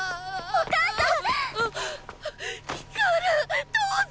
お母さん！？